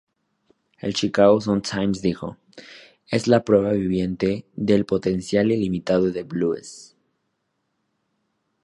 El Chicago Sun-Times dijo: "Es la prueba viviente del potencial ilimitado de blues.